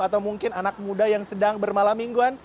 atau mungkin anak muda yang sedang bermalam mingguan